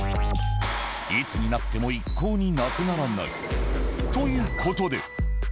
いつになっても、一向になくならないということで。